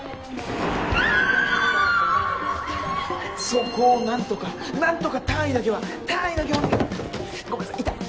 そこを何とか何とか単位だけは単位だけおねごめんなさい痛っ。